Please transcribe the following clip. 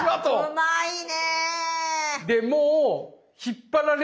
うまいね。